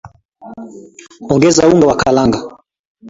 Ongeza unga wa karanga